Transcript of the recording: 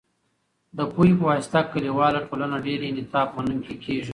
د پوهې په واسطه، کلیواله ټولنه ډیر انعطاف منونکې کېږي.